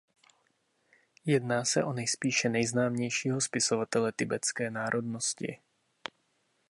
Jedná se o nejspíše nejznámějšího spisovatele tibetské národnosti.